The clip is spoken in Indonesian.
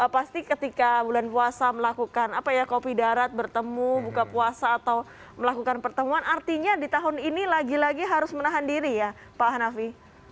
pasti ketika bulan puasa melakukan apa ya kopi darat bertemu buka puasa atau melakukan pertemuan artinya di tahun ini lagi lagi harus menahan diri ya pak hanafi